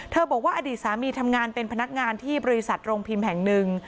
บอกว่าอดีตสามีทำงานเป็นพนักงานที่บริษัทโรงพิมพ์แห่งหนึ่ง